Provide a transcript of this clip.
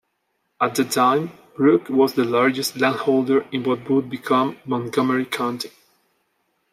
At the time, Brooke was the largest landholder in what would become Montgomery County.